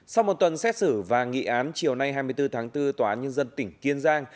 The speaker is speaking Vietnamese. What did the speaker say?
sau một tuần xét xử và nghị án chiều nay hai mươi bốn tháng bốn tòa án nhân dân tỉnh kiên giang